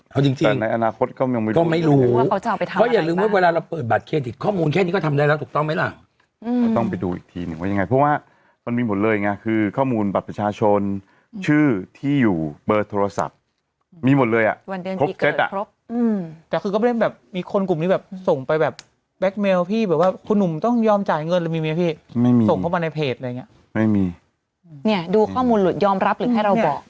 เขาจริงแต่ในอนาคตก็ไม่รู้ต้องไม่รู้ว่าเขาจะเอาไปทำอะไรได้